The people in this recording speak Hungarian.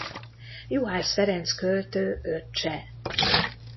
Juhász Ferenc költő öccse.